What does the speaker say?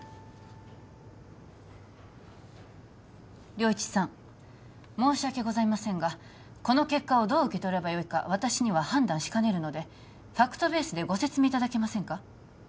良一さん申し訳ございませんがこの結果をどう受け取ればよいか私には判断しかねるのでファクトベースでご説明いただけませんか？